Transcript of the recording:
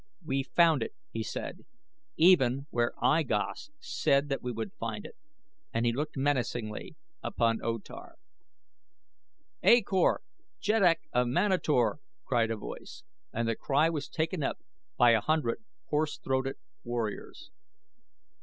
"We found it," he said, "even where I Gos said that we would find it," and he looked menacingly upon O Tar. "A Kor, jeddak of Manator!" cried a voice, and the cry was taken up by a hundred hoarse throated warriors.